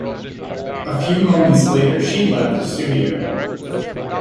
A few moments later she left the studio.